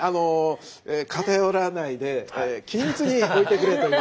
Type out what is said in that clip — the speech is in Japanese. かたよらないで均一に置いてくれという。